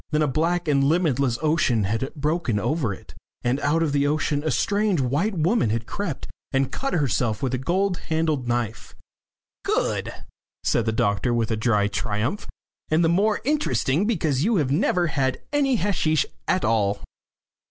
Then a black and limitless ocean had broken over it, and out of the ocean a strange white woman had crept and cut herself with a gold handled knife. "Good," said the doctor, with dry triumph. "And the more interesting because you have never had any hasheesh at all."